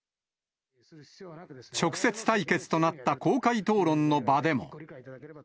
直接対決となった公開討論の場でも。